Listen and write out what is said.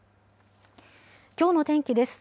きょうの天気です。